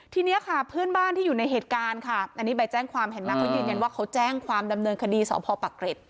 ทีนี้ค่ะเพื่อนบ้านที่อยู่ในเหตุการณ์ค่ะอันนี้ใบแจ้งความเห็นไหมเขายืนยันว่าเขาแจ้งความดำเนินคดีสพปักเกร็ด